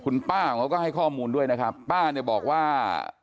คุณป้าของเขาก็ให้ข้อมูลด้วยนะครับป้าเนี่ยบอกว่า